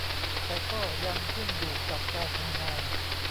แต่ก็ยังขึ้นอยู่กับการทำงาน